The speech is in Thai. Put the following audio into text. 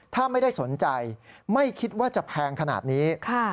ถ้าไม่ได้สนใจไม่คิดว่าจะแพงขนาดนี้